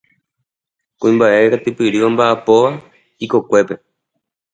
Kuimbaʼe katupyry ombaʼapóva ikokuépe.